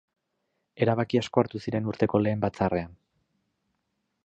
Erabaki asko hartu ziren urteko lehen batzarrean.